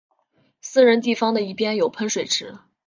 私人地方的一边有喷水池。